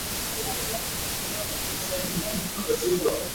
azi hii ilitumia majina ya watu na majina ya maeneo katika kisiwa cha Pemba